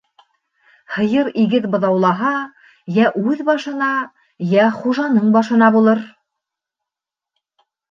Һыйыр игеҙ быҙаулаһа, йә үҙ башына, йә хужаның башына булыр.